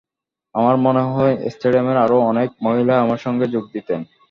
আমার মনে হয়, স্টেডিয়ামের আরও অনেক মহিলা আমার সঙ্গে যোগ দিতেন।